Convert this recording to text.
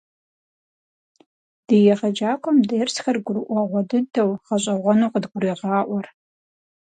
Ди егъэджакӀуэм дерсхэр гурыӀуэгъуэ дыдэу, гъэщӀэгъуэну къыдгурегъаӀуэр.